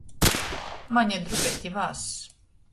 Maņ ir drupeiti vāss.